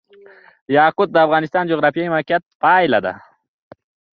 یاقوت د افغانستان د جغرافیایي موقیعت پایله ده.